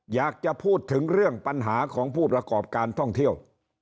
อยากจะพูดถึงเรื่องปัญหาของผู้ประกอบการท่องเที่ยว